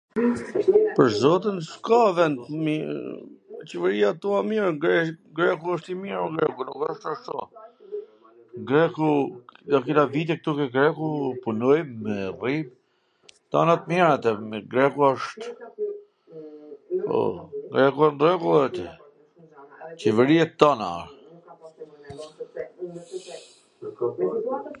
pwr zotin, s ka vend t mii... , qeveria ktu a mir, greku asht i mir, nuk asht ashtu. Greku, na kena vite ktu ke greku, punojm, rrijm, tana t mirat, me, greku asht n rregull ore ti, qeveria e t tana...